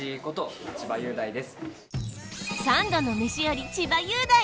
三度の飯より千葉雄大！